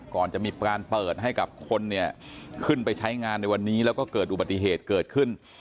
ก่อนจะมีการเปิดให้กับคนเนี่ยขึ้นไปใช้งานในวันนี้แล้วก็เกิดอุบัติเหตุเกิดขึ้น